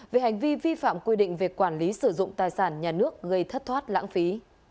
về hành vi vi phạm quy định về quản lý sử dụng tài sản nhà nước gây thất thoát lãng phí